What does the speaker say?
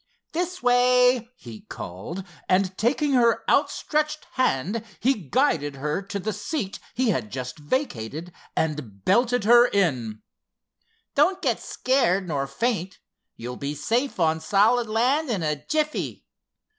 "This way!" he called, and, taking her outstretched hand he guided her to the seat he had just vacated, and belted her in. "Don't get scared, nor faint. You'll be safe on solid land in a jiffy.